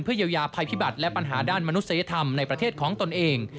เยียวยาภัยพิบัติและปัญหาด้านมนุษยธรรมในประเทศของตนเอง